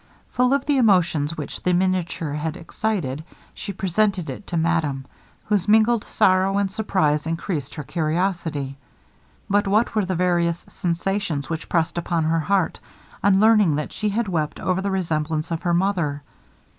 Full of the emotions which the miniature had excited, she presented it to madame, whose mingled sorrow and surprise increased her curiosity. But what were the various sensations which pressed upon her heart, on learning that she had wept over the resemblance of her mother!